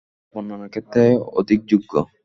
তিনি তা বর্ণনার ক্ষেত্রে অধিক যোগ্য।